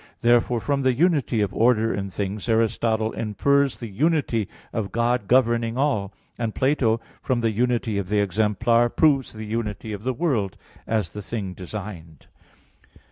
Therefore from the unity of order in things Aristotle infers (Metaph. xii, text 52) the unity of God governing all; and Plato (Tim.), from the unity of the exemplar, proves the unity of the world, as the thing designed.